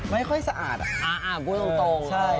ไม่ค่อยสะอาดอะนั่งคุณต้อง